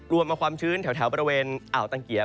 มาความชื้นแถวบริเวณอ่าวตังเกียบ